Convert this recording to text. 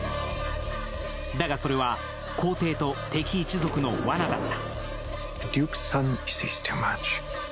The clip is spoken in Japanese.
だが、それは皇帝と敵一族のわなだった。